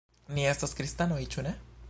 Ni estas kristanoj, ĉu ne?